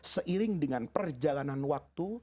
seiring dengan perjalanan waktu